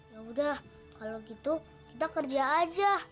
ya udah kalau gitu kita kerja aja